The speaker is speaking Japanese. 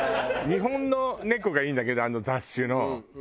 日本の猫がいいんだけどあの雑種の。